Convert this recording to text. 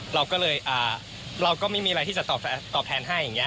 เราก็เลยเราก็ไม่มีอะไรที่จะตอบแทนให้อย่างนี้